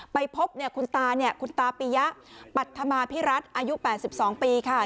ไปพบคุณตาเนี่ยคุณตาปียะปัธมาพิรัตน์อายุ๘๒ปีค่ะ